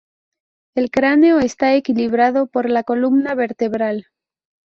El cráneo está equilibrado por la columna vertebral.